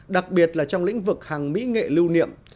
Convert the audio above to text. đặc biệt là trong lĩnh vực hàng mỹ nghệ lưu niệm